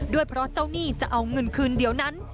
ด้วยเพราะเจ้าหนี้จะเอาเงินคืนเดียวนั้น